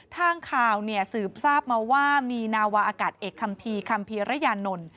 ทางข่าวสืบทราบมาว่ามีนาวาอากาศเอกคัมภีร์คัมภีรยานนท์